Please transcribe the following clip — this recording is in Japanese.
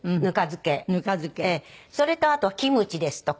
それとあとキムチですとか。